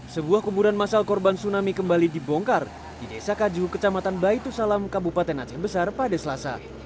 sebuah kuburan masal korban tsunami kembali dibongkar di desa kaju kecamatan baitu salam kabupaten aceh besar pada selasa